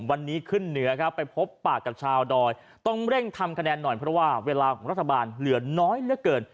วันนี้ขึ้นเหนือครับไปพบปากกับชาวดอยต้องเร่งทำคะแนนหน่อยเพราะว่าเวลาของรัฐบาลเหลือน้อยเหลือเกิน